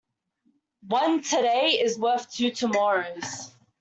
One today is worth two tomorrows.